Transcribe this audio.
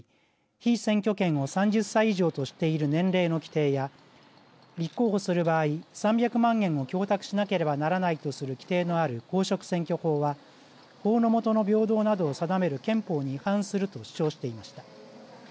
被選挙権を３０歳以上としている年齢の規定や立候補する場合３００万円を供託しなければならないとする規定のある公職選挙法は法の下の平等などを定める憲法に違反すると主張していました。